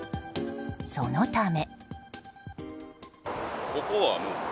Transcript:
そのため。